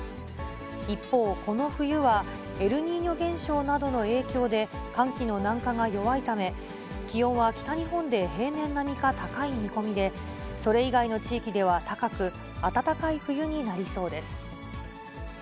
一方、この冬はエルニーニョ現象などの影響で、寒気の南下が弱いため、気温は北日本で平年並みか高い見込みで、それ以外の地域では高く、暖かい冬になりそうです。